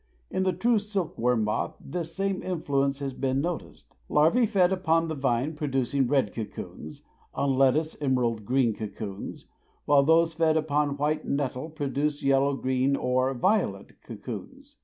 In the true silk worm moth this same influence has been noticed; larvae fed upon the vine producing red cocoons, on lettuce emerald green cocoons, while those fed upon white nettle produce yellow, green or violet cocoons.